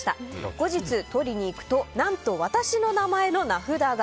後日、取りに行くと何と私の名前の名札が。